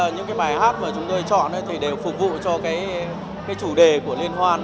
những bài hát mà chúng tôi chọn đều phục vụ cho chủ đề của liên hoan